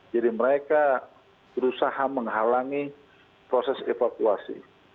jadi mereka berusaha menghalangi proses evakuasi